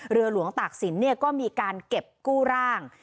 เรือหลวงตากศิลป์ก็มีการเก็บกู้ร่าง